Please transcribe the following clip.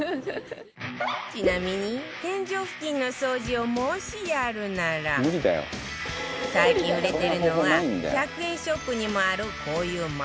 ちなみに天井付近の掃除をもしやるなら最近売れてるのは１００円ショップにもあるこういうマイクロファイバーのお掃除手袋